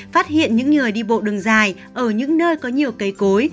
phát hiện những người đi bộ đường dài ở những nơi có nhiều cây cối